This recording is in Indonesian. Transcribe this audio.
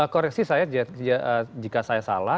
koreksi saya jika saya salah